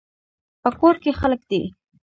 په کور کې خلک دي